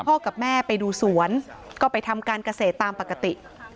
กับแม่ไปดูสวนก็ไปทำการเกษตรตามปกติ